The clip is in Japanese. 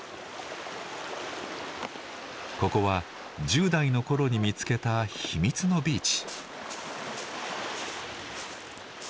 ここは１０代のころに見つけたヒミツのビーチ。